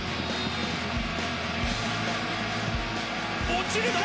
落ちるか？